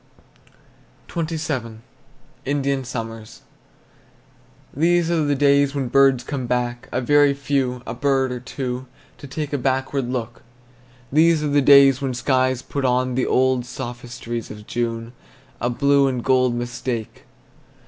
XXVII. INDIAN SUMMER. These are the days when birds come back, A very few, a bird or two, To take a backward look. These are the days when skies put on The old, old sophistries of June, A blue and gold mistake.